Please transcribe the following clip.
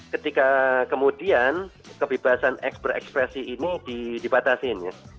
ketika kemudian kebebasan eks berekspresi ini dibatasin ya